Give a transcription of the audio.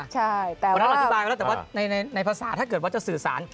ใช่แต่ว่าในภาษาถ้าเกิดว่าจะสื่อสาร